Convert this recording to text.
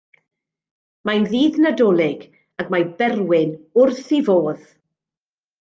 Mae'n ddydd Nadolig ac mae Berwyn wrth ei fodd!